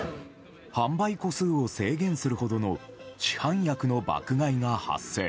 販売個数を制限するほどの市販薬の爆買いが発生。